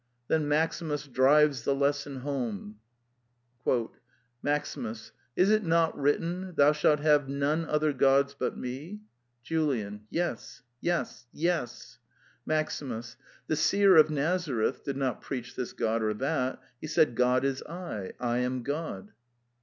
Then Maximus drives the lesson home. MAXiMUS. Is it not written, '' Thou shalt have none other gods but me "? JULIAN. Yes — yes — yes. MAXIMUS. The seer of Nazareth did not preach this god or that: he said '^God is I: I am God."